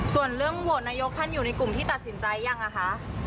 ส่วนเรื่องโหวตนายกท่านอยู่ในกลุ่มที่ตัดสินใจยังอะคะ